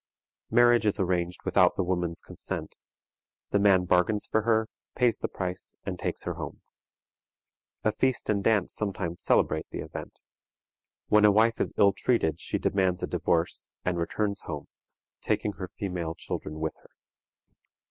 Marriage is arranged without the woman's consent; the man bargains for her, pays the price, and takes her home. A feast and dance sometimes celebrate the event. When a wife is ill treated she demands a divorce, and returns home, taking her female children with her.